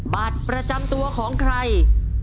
บัตรประจำตัวของใคร